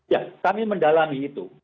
ya kami mendalami itu